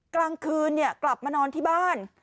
กลางคืนกลับมานอนที่บ้าน